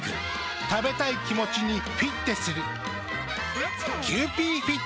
食べたい気持ちにフィッテする。